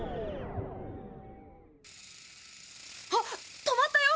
あっ止まったよ！